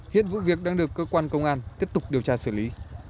hiện vụ việc đang được cơ quan công an tiếp tục điều tra xử lý